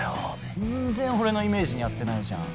全然俺のイメージに合ってないじゃん